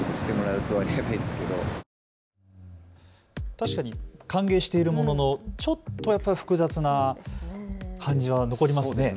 確かに歓迎しているもののちょっとやっぱり複雑な感じは残りますね。